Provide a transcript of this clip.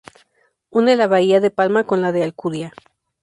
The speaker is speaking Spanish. Une la Bahía de Palma con la de Alcudia.